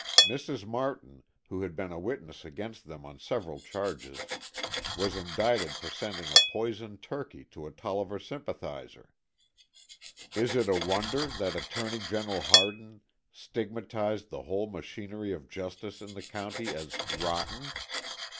Mrs. Martin, who had been a witness against them on several charges, was indicted for sending a poisoned turkey to a Tolliver sympathizer. Is it a wonder that Attorney General Hardin stigmatized the whole machinery of justice in the county as "rotten"?